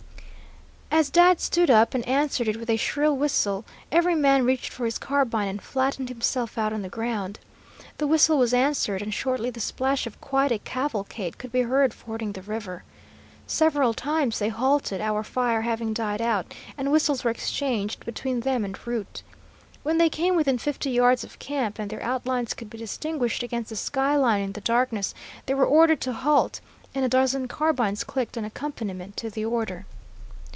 As Dad stood up and answered it with a shrill whistle, every man reached for his carbine and flattened himself out on the ground. The whistle was answered, and shortly the splash of quite a cavalcade could be heard fording the river. Several times they halted, our fire having died out, and whistles were exchanged between them and Root. When they came within fifty yards of camp and their outlines could be distinguished against the sky line in the darkness, they were ordered to halt, and a dozen carbines clicked an accompaniment to the order.